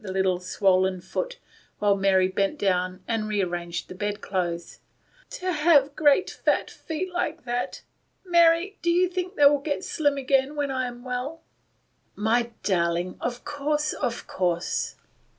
the little swollen foot, while Maiy bent down and rearranged the pillows, " to have great fat feet like that Mary, do you think they will get slim again when I am well ?" u My dear girl, of course, of course."